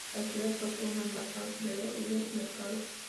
La ciudad posee un embarcadero y un mercado.